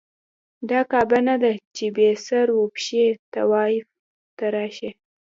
دا کعبه نه ده چې بې سر و پښې طواف ته راشې.